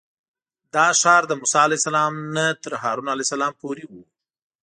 دا ښار له موسی علیه السلام نه تر هارون علیه السلام پورې و.